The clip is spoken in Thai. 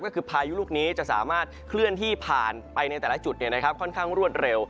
ก็คือพายุลูกนี้จะสามารถเคลื่อนที่ผ่านไปในแต่ละจุดค่อนข้างรวดเร็ว